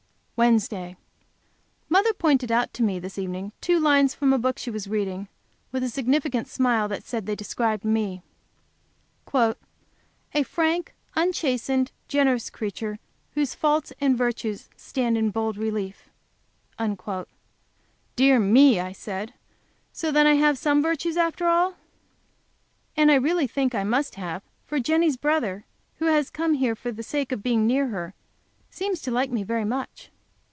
Wednesday. Mother pointed out to me this evening two lines from a book she was reading, with a significant smile that said they described me: "A frank, unchastened, generous creature, Whose faults and virtues stand in bold relief." "Dear me!" I said, "so then I have some virtues after all!" And I really think I must have, for Jenny's brother, who has come here for the sake of being near her, seems to like me very much.